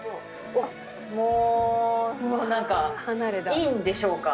もう何かいいんでしょうか？